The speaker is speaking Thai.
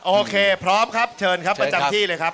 โอเคพร้อมครับเชิญครับประจำที่เลยครับ